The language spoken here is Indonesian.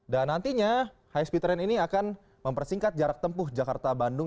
dan nantinya high speed train ini akan mempersingkat jarak tempuh jakarta bandung